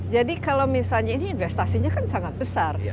jadi kalau misalnya ini investasinya kan sangat besar